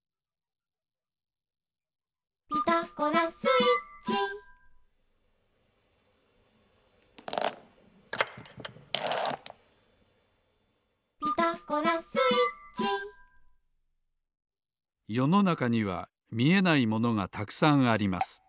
「ピタゴラスイッチ」「ピタゴラスイッチ」よのなかにはみえないものがたくさんあります。